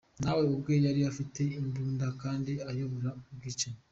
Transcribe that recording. Nawe ubwe yari afite imbunda kandi akayobora ubwicanyi.